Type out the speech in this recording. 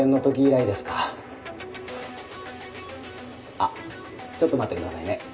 あっちょっと待ってくださいね。